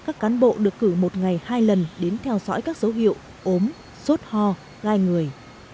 các cán bộ được cử một ngày hai lần đến theo dõi các dấu hiệu ốm sốt ho gai người